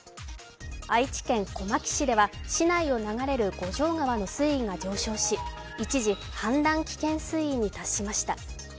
愛知県小牧市では市内を流れる五条川の水位が上昇し一時、氾濫危険水位に達しました。